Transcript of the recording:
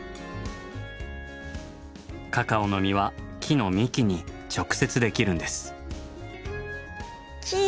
カカオの実は木の幹に直接できるんです。